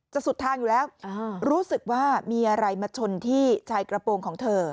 สุดทางอยู่แล้วรู้สึกว่ามีอะไรมาชนที่ชายกระโปรงของเธอ